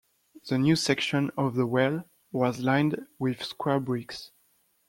The new section of the well was lined with square bricks.